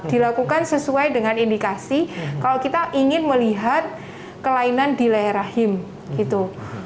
dilakukan sesuai dengan indikasi kalau kita ingin melihat kelainan di leher rahim gitu